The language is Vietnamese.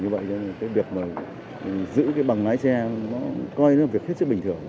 như vậy nên là cái việc mà giữ cái bằng lái xe nó coi nó là việc hết sức bình thường